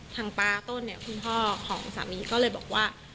ป๊าต้นเนี่ยคุณพ่อของสามีก็เลยบอกว่า